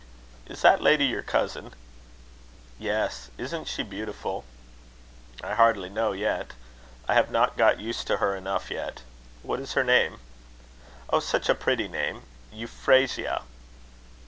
"Is that lady your cousin?" "Yes. Isn't she beautiful?" "I hardly know yet. I have not got used to her enough yet. What is her name?" "Oh! such a pretty name Euphrasia."